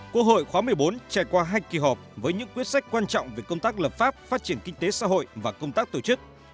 quốc hội khóa một mươi bốn trải qua hai kỳ họp với những quyết sách quan trọng về công tác lập pháp phát triển kinh tế xã hội và công tác tổ chức